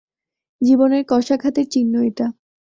জীবনের কশাঘাতের চিহ্ন এটা।